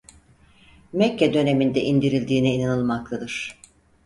Mekke döneminde indirildiğine inanılmaktadır.